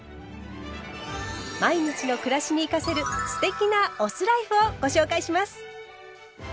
毎日の暮らしに生かせる“酢テキ”なお酢ライフをご紹介します。